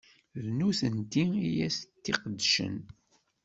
D nutenti i as-d-iqedcen.